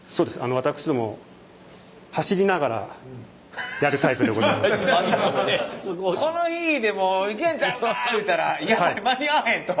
私どもこの日でもういけるんちゃうかいうたらやばい間に合わへんと。